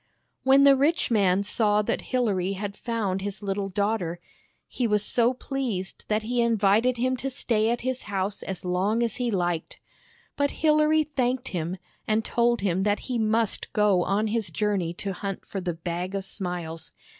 When the rich man saw that Hilary had found his little daughter, he was so pleased that he invited him to stay at his house as long as he liked. But Hilary thanked him, and told him that he must go on his journey to hunt for the Bag of Smiles.